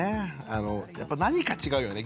やっぱり何か違うよね。